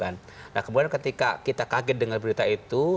nah kemudian ketika kita kaget dengan berita itu